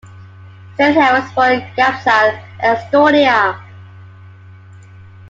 Steinheil was born in Hapsal, Estonia.